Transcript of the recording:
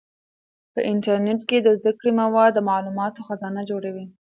په انټرنیټ کې د زده کړې مواد د معلوماتو خزانه جوړوي.